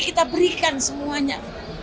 kita berikan semuanya